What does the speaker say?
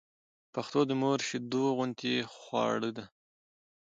پښتو د مور شېدو غوندې خواړه ده